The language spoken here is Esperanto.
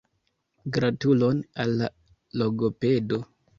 Gratulon al la logopedo!